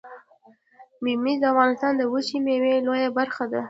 ممیز د افغانستان د وچې میوې لویه برخه ده